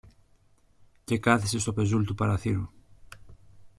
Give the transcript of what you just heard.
και κάθησε στο πεζούλι του παραθύρου